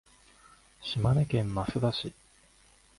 島根県益田市